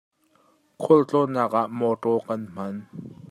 Khualtlawnnak ah mawtaw kan hman.